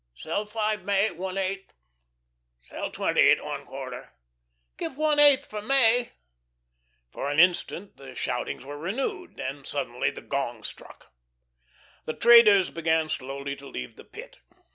"'Sell five May at one eighth." "'Sell twenty at one quarter." "'Give one eighth for May." For an instant the shoutings were renewed. Then suddenly the gong struck. The traders began slowly to leave the Pit.